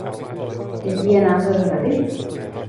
Jaký je názor Rady?